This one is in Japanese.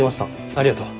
ありがとう。